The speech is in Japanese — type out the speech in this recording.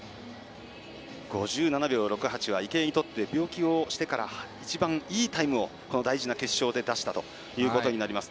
５７秒６８は池江にとって病気をしてから一番いいタイムをこの大事な決勝で出したということになります。